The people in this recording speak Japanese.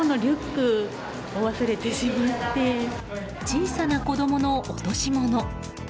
小さな子供の落とし物。